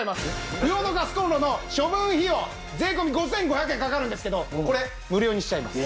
不要のガスコンロの処分費用税込５５００円かかるんですけどこれ無料にしちゃいます。